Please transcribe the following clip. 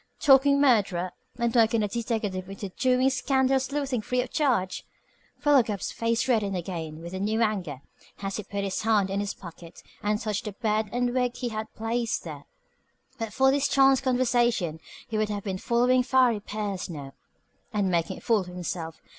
Talking murderer and working a deteckative into doing scandal sleuthing free of charge! Philo Gubb's face reddened again with new anger as he put his hand in his pocket and touched the beard and wig he had placed there. But for this chance conversation he would have been following Farry Pierce now, and making a fool of himself.